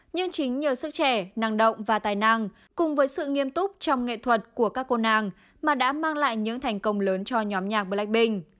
nhưng chính nhờ sức trẻ năng động và tài năng cùng với sự nghiêm túc trong nghệ thuật của các cô nàng mà đã mang lại những thành công lớn cho nhóm nhạc blackpink